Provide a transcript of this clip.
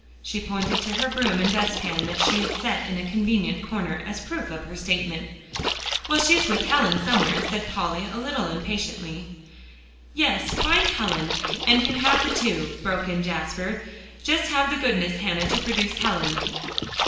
She pointed to her broom and dustpan that she had set in a convenient corner, as proof of her statement. "Well, she's with Helen somewhere," said Polly, a little impatiently. "Yes; find Helen, and you have the two," broke in Jasper. "Just have the goodness, Hannah, to produce Helen."